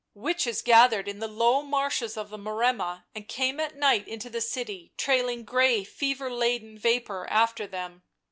Witches gathered in the low marches of the Maremma and came at night into the city, trailing grey, fever laden vapour after them.